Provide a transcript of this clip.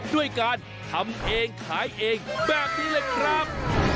ด้วยการทำเองขายเองแบบนี้เลยครับ